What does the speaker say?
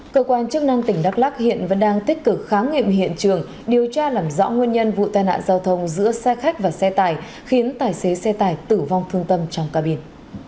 cơ quan chức năng tỉnh đắk lắc hiện vẫn đang tích cực kháng nghiệm hiện trường điều tra làm rõ nguyên nhân vụ tai nạn giao thông giữa xe khách và xe tải khiến tài xế xe tải tử vong thương tâm trong ca biển